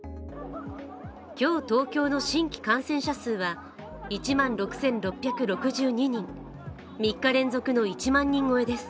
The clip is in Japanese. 今日、東京の新規感染者数は１万６６６２人、３日連続の１万超えです。